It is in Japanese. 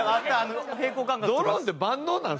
ドローンって万能なん？